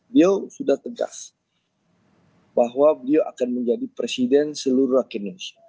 beliau sudah tegas bahwa beliau akan menjadi presiden seluruh rakyat indonesia